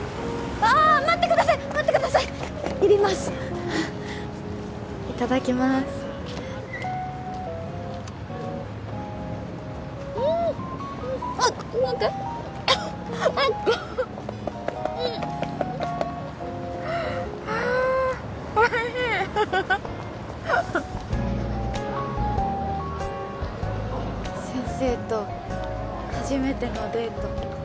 あおいしい先生と初めてのデート